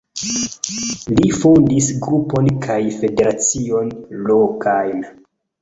Li fondis grupon kaj federacion lokajn.